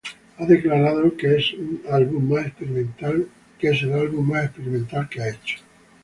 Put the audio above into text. Ha declarado que es álbum más experimental que ha hecho.